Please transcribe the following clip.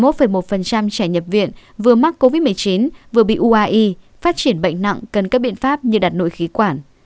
một mươi một một trẻ nhập viện vừa mắc covid một mươi chín vừa bị uai phát triển bệnh nặng cần các biện pháp như đặt nội khí quản